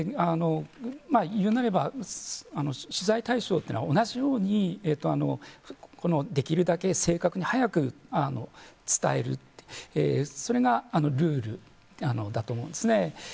言うなれば取材対象というのは同じようにできるだけ正確に早く伝えるそれがルールだと思うんですね。